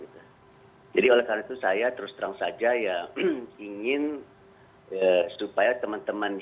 jadi oleh karena itu saya terus terang saja ingin supaya teman teman yang